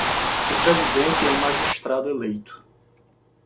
O presidente é um magistrado eleito.